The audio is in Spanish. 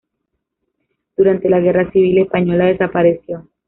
Durante la guerra civil española desapareció.